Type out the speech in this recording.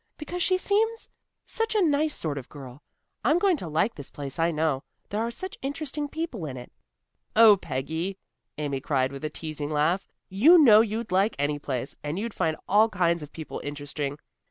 "Because she seems such a nice sort of girl. I'm going to like this place, I know. There are such interesting people in it." "Oh, Peggy," Amy cried with a teasing laugh, "you know you'd like any place, and you find all kinds of people interesting."